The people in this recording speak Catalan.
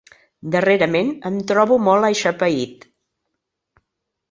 Darrerament em trobo molt aixapeït.